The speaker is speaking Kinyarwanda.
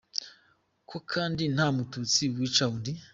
Ko kandi nta mututsi wica undi !!!